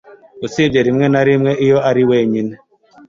usibye rimwe na rimwe iyo ari wenyine